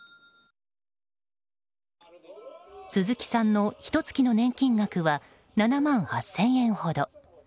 鈴木さんのひと月の年金額は７万８０００円ほど。